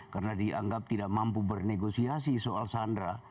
karena dianggap tidak mampu bernegosiasi soal sandra